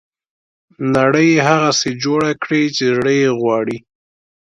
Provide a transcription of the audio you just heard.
نړۍ هغسې جوړه کړي چې زړه یې غواړي.